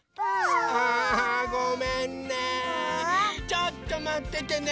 ちょっとまっててね。